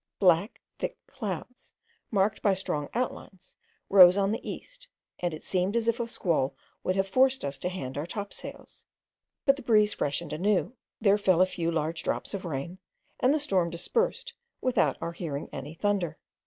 Black thick clouds, marked by strong outlines, rose on the east, and it seemed as if a squall would have forced us to hand our topsails; but the breeze freshened anew, there fell a few large drops of rain, and the storm dispersed without our hearing any thunder.